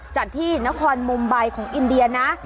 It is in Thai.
จัดที่นครมุมไบของอินเดียนะ